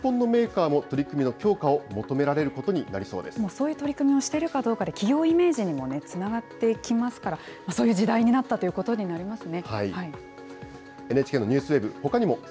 この修理する権利というのは、世界的に意識が高まっていて、日本のメーカーも取り組みの強化を求もうそういう取り組みをしているかどうかで、企業イメージにもつながっていきますから、そういう時代になったということになりますね。